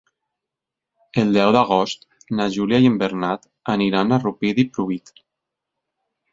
El deu d'agost na Júlia i en Bernat aniran a Rupit i Pruit.